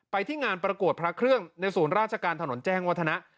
ที่งานประกวดพระเครื่องในศูนย์ราชการถนนแจ้งวัฒนะ